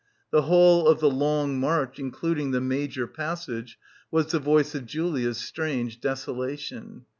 The whole of the long march, including the major passage, was the voice of Julia's strange desolation.